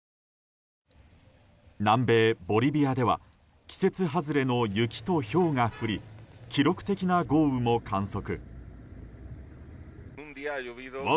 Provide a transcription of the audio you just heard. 南米ボリビアでは季節外れの雪とひょうが降り記録的な豪雨も観測。